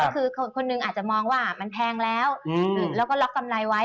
ก็คือคนหนึ่งอาจจะมองว่ามันแพงแล้วแล้วก็ล็อกกำไรไว้